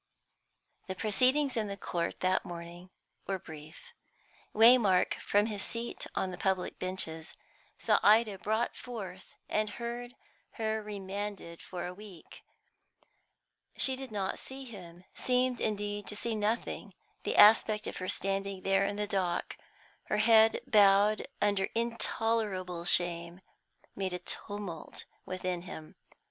The proceedings in the court that morning were brief. Waymark, from his seat on the public benches, saw Ida brought forward, and heard her remanded for a week. She did not see him; seemed, indeed, to see nothing. The aspect of her standing there in the dock, her head bowed under intolerable shame, made a tumult within him.